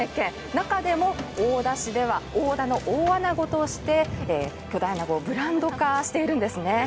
中でも大田市では、大田の大あなごとして巨大あなごをブランド化しているんですよね。